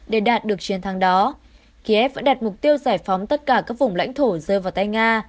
để đạt được chiến thắng đó kiev vẫn đặt mục tiêu giải phóng tất cả các vùng lãnh thổ rơi vào tay nga